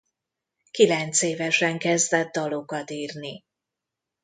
Kilencévesen kezdett dalokat írni.